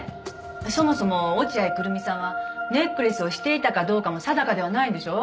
そもそも落合久瑠実さんはネックレスをしていたかどうかも定かではないんでしょう？